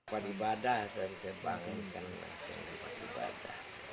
pada saat saya bangun saya berubah